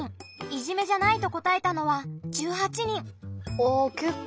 いじめじゃないと答えたのは１８人。